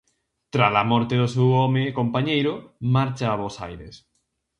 Trala morte do seu home e compañeiro, marcha a Bos Aires.